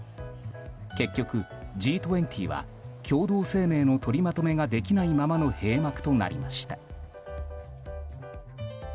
結局、Ｇ２０は共同声明の取りまとめができないままの閉幕となりました。